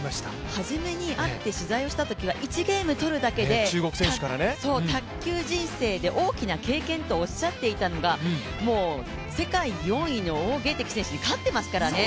初めに会って取材したときには中国選手から１ゲームとっただけで卓球人生で大きな経験とおっしゃっていたのがもう世界４位の王ゲイ迪選手に勝ってますからね。